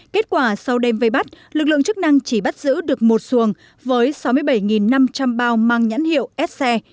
kết quả sau đêm vây bắt lực lượng chức năng chỉ bắt giữ được một xuồng với sáu mươi bảy năm trăm linh bao mang nhãn hiệu sc